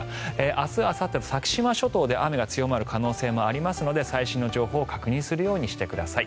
明日あさってと、先島諸島で雨が強まる可能性もありますので最新の情報を確認するようにしてください。